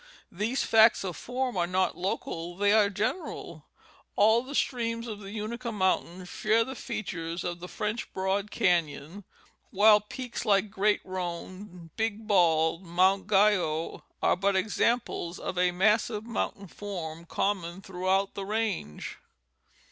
These facts of form are not local, they are general : all the streams of the Unaka mountains share the features of the French Broad Canon, while peaks like Great Roan, Big Bald, Mt. Guyot, are but examples of a massive mountain form common through out the range.